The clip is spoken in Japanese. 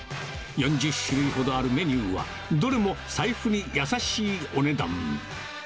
４０種類ほどあるメニューは、どれも財布に優しいお値段。